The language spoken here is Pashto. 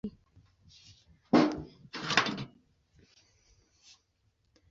هغې د ماشومانو د سترګو د پاملرنې پوهه لري.